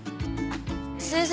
先生